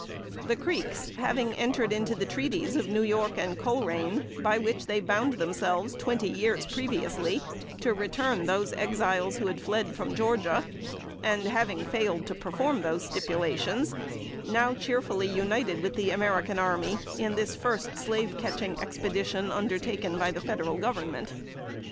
The Creeks, having entered into the treaties of New York and Colerain, by which they bound themselves, twenty years previously, to return those Exiles who fled from Georgia, and having failed to perform those stipulations, now cheerfully united with the American army in this first slave catching expedition undertaken by the Federal Government.